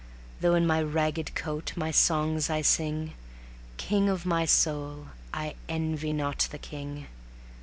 Though in my ragged coat my songs I sing, King of my soul, I envy not the king.